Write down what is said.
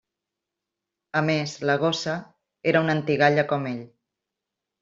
A més, la gossa era una antigalla com ell.